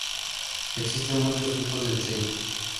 Existen muchos tipos de diseños.